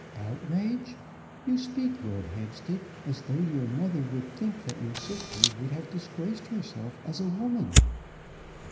"Outrage! You speak, Lord Hampstead, as though your mother would think that your sister would have disgraced herself as a woman!"